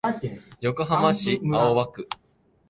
横浜市青葉区